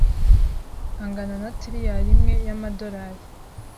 angana na triyari imwe y'amadolari,